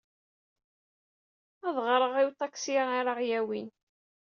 Ad d-ɣreɣ i uṭaksi ara k-yawin.